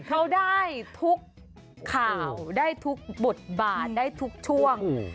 เขาได้ทุกข่าวได้ทุกบทบาทได้ทุกช่วง